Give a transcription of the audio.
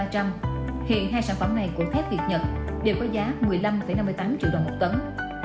hiện hai sản phẩm này của thép việt nhật đều có giá một mươi năm ba triệu đồng mỗi mỗi mỗi